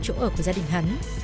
chỗ ở của cả hai đối tượng